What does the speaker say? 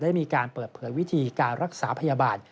ได้มีการเปิดเผยวิธีการรักษาพยาบาล